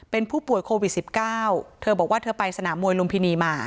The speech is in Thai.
เป็นผู้ป่วยโควิด๑๙เธอบอกว่าเธอไปสนามมวยลุมพินีมา